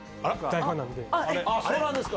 そうなんですか。